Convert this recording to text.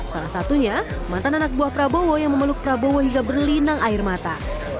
salah satunya mantan anak buah prabowo yang memeluk prabowo hingga berlinang air mata